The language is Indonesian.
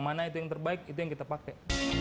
mana itu yang terbaik itu yang kita pakai